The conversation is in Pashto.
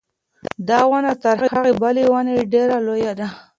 دا ونه تر هغې بلې ونې ډېره لویه ده.